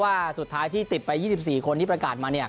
ว่าสุดท้ายที่ติดไป๒๔คนที่ประกาศมา